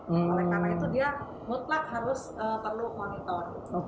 nah oleh karena itu dia mutlak harus perlu monitor